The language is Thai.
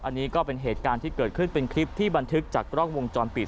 อันนี้ก็เป็นเหตุการณ์ที่เกิดขึ้นเป็นคลิปที่บันทึกจากกล้องวงจรปิด